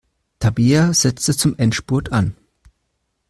Tabea setzte zum Endspurt an.